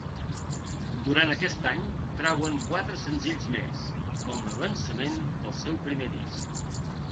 Durant aquest any trauen quatre senzills més, com a avançament del seu primer disc.